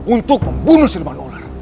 untuk membunuh siluman ular